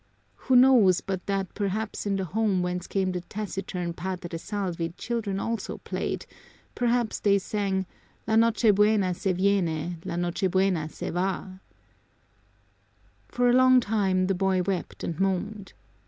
Who knows but that perhaps in the home whence came the taciturn Padre Salvi children also played, perhaps they sang "La Nochebuena se viene, La Nochebuena se va." For a long time the boy wept and moaned.